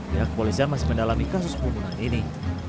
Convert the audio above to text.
pihak polisi masih mendalami kasus hubungan ini